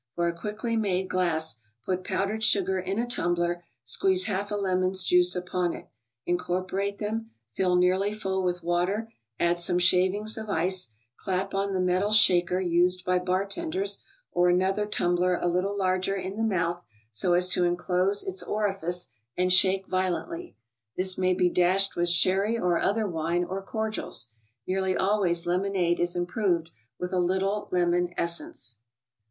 For a quickly made glass, put powdered sugar in a tum¬ bler ; squeeze half a lemon's juice upon it; incorporate them; fill nearly full with water ; add some shavings of ice; clap on the metal "shaker" used by bartenders, or another tumbler a little larger in the mouth, so as to en¬ close its orifice, and shake violently. This may be dashed ICED BEVERAGES . 69 with sherry or other wine, or cordials. Nearly al ways lemonade is 'improved with a little lemon essence.